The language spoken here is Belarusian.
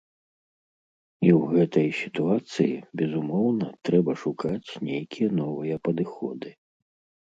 І ў гэтай сітуацыі, безумоўна, трэба шукаць нейкія новыя падыходы.